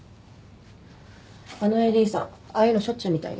あのＡＤさんああいうのしょっちゅうみたいですよ。